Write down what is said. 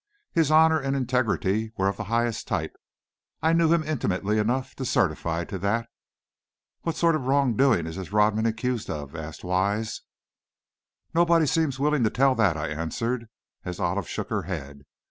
His honor and integrity were of the highest type, I knew him intimately enough to certify to that." "What sort of wrongdoing is this Rodman accused of?" asked Wise. "Nobody seems willing to tell that," I answered, as Olive shook her head.